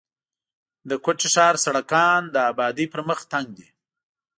د کوټي ښار سړکان د آبادۍ پر مخ تنګ دي.